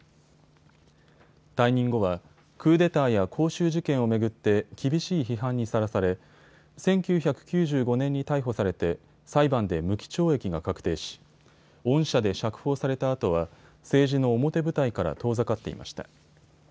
退任後はクーデターや光州事件を巡って厳しい批判にさらされ１９９５年に逮捕されて裁判で無期懲役が確定し恩赦で釈放されたあとは政治の表舞台から遠ざかっていました。